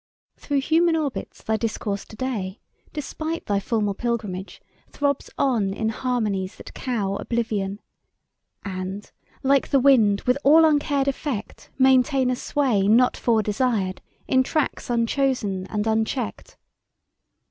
Through human orbits thy discourse to day, Despite thy formal pilgrimage, throbs on In harmonies that cow Oblivion, And, like the wind, with all uncared effect Maintain a sway Not fore desired, in tracks unchosen and unchecked.